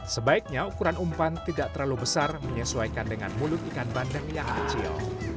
sebaiknya ukuran umpan tidak terlalu besar menyesuaikan dengan mulut ikan bandeng yang kecil